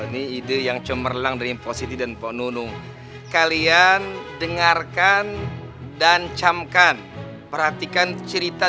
ini ide yang cemerlang dari positi dan ponunung kalian dengarkan dan camkan perhatikan cerita